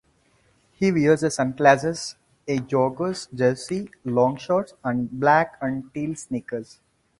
He wears sunglasses, a Jaguars jersey, long shorts, and black and teal sneakers.